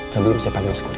sebelum si pemilik sekuriti